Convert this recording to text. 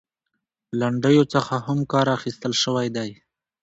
لنډيو څخه هم کار اخيستل شوى دى .